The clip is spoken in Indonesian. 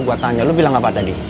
gue tanya lu bilang apa tadi